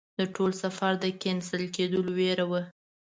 د ټول سفر د کېنسل کېدلو ویره وه.